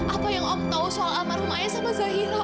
apa yang om tahu soal amat rumah ayah sama cahira